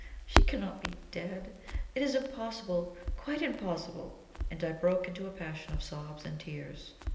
She cannot be dead; it is impossible quite impossible!" And I broke into a passion of sobs and tears.